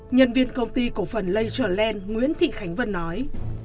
nhân viên công ty cổ phần leisureland nguyễn thị khánh vân nói